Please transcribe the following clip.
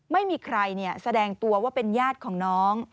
ไม่มีใครแสดงตัวว่าเป็นญาติของน้อง